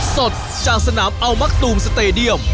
สดจากสนามอัลมักตูมสเตดียม